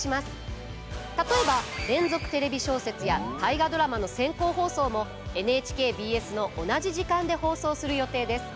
例えば「連続テレビ小説」や「大河ドラマ」の先行放送もＮＨＫＢＳの同じ時間で放送する予定です。